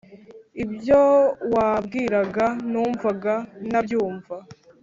ibyo wambwiraga numvaga ntabyumva